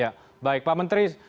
ya baik pak menteri